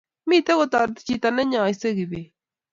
Mito kotoreti chito ne nyaishe Kibet